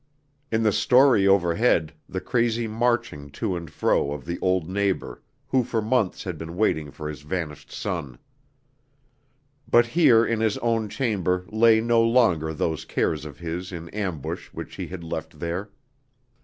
In the story overhead the crazy marching to and fro of the old neighbor who for months had been waiting for his vanished son. But here in his own chamber lay no longer those cares of his in ambush which he had left there....